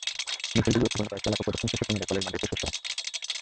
মিছিলটি গুরুত্বপূর্ণ কয়েকটি এলাকা প্রদক্ষিণ শেষে পুনরায় কলেজ মাঠে এসে শেষ হয়।